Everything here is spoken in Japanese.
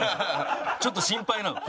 ちょっと心配なの。